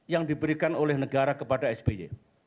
yang diberikan oleh negara kepada sby